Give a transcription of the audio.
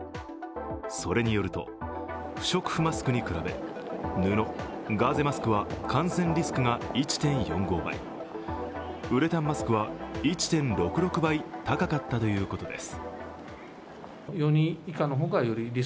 それによると、不織布マスクに比べ布、ガーゼマスクは感染リスクが１．４５倍ウレタンマスクは１．６６倍、高かったということです。